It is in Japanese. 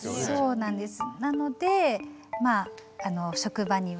そうなんです。